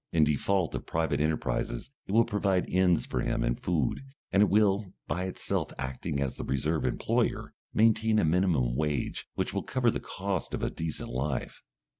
In default of private enterprises it will provide inns for him and food, and it will by itself acting as the reserve employer maintain a minimum wage which will cover the cost of a decent life.